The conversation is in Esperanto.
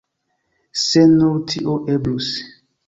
Se nur tio eblus!